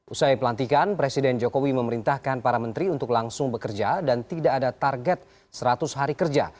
usai pelantikan presiden jokowi memerintahkan para menteri untuk langsung bekerja dan tidak ada target seratus hari kerja